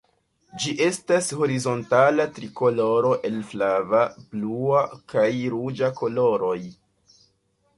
Ĝi estas horizontala trikoloro el flava, blua kaj ruĝa koloroj.